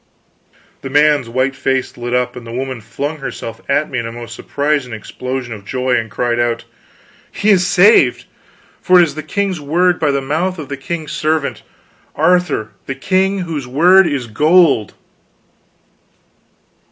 The man's white face lit up, and the woman flung herself at me in a most surprising explosion of joy, and cried out: "He is saved! for it is the king's word by the mouth of the king's servant Arthur, the king whose word is gold!"